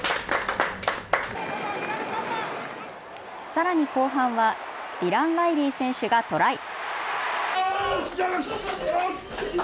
さらに後半はディラン・ライリー選手がトライ。